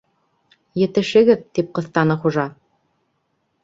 - Етешегеҙ, - тип ҡыҫтаны хужа.